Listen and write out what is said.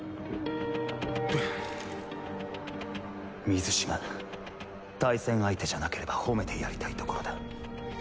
水嶋対戦相手じゃなければほめてやりたいところだ。